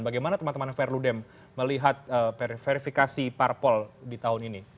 bagaimana teman teman perludem melihat verifikasi parpol di tahun ini